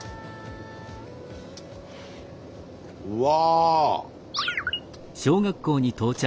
うわ。